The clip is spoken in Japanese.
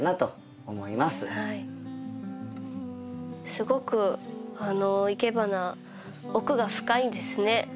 すごくいけばな奥が深いんですね。